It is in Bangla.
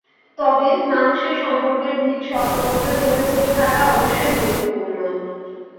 তবে, মানুষের সম্পর্কের ভিত শক্ত করতে চোখে চোখে থাকা অবশ্যই গুরুত্বপূর্ণ।